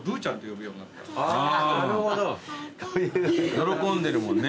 喜んでるもんね。